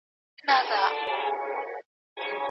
که کلتورونه توپير ولري ژوند به ستونزمن وي.